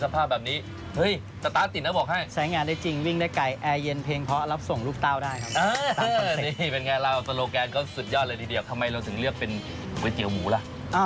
พี่อาสวัสดีค่ะ